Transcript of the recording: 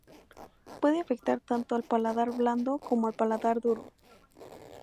Puede afectar tanto al paladar blando como al paladar duro.